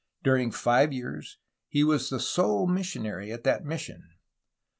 During five years he was the sole missionary at that mission.